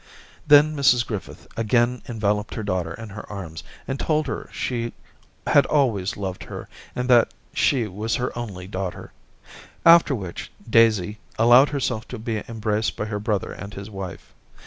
Then Mrs Griffith again enveloped her daughter in her arms, and told her she had always loved her and that she was her only daughter ; after which, Daisy allowed herself to be embraced by her brother and his wife.